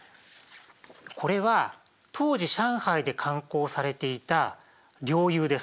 これは当時上海で刊行されていた「良友」です。